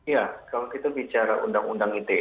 ya kalau kita bicara undang undang ite